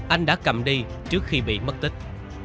anh đã cầm đi trước khi bị mất tích